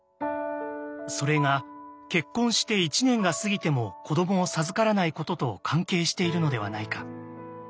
それが結婚して１年が過ぎても子どもを授からないことと関係しているのではないか？